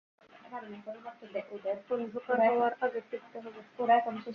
অন্ধকার হওয়ার আগে ফিরতে হবে।